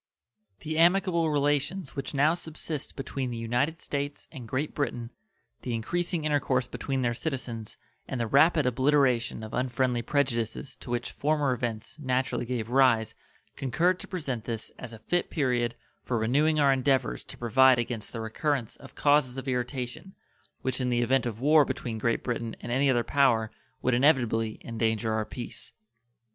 The amicable relations which now subsist between the United States and Great Britain, the increasing intercourse between their citizens, and the rapid obliteration of unfriendly prejudices to which former events naturally gave rise concurred to present this as a fit period for renewing our endeavors to provide against the recurrence of causes of irritation which in the event of war between Great Britain and any other power would inevitably endanger our peace.